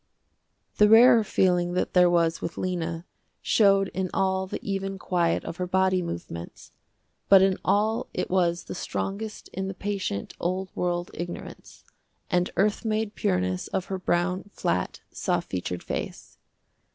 The rarer feeling that there was with Lena, showed in all the even quiet of her body movements, but in all it was the strongest in the patient, old world ignorance, and earth made pureness of her brown, flat, soft featured face.